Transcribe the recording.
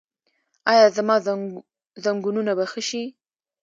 ایا زما زنګونونه به ښه شي؟